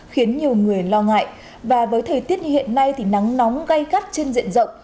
khiến nhiều người lo ngại và với thời tiết như hiện nay thì nắng nóng gây gắt trên diện rộng